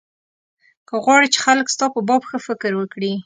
که غواړې چې خلک ستا په باب ښه فکر وکړي.